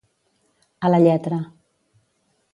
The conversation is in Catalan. A la lletra.